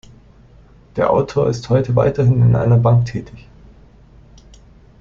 Der Autor ist heute weiterhin in einer Bank tätig.